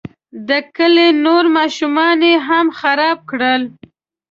د کلي نور ماشومان یې هم خراب کړل.